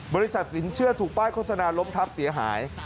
สินเชื่อถูกป้ายโฆษณาล้มทับเสียหาย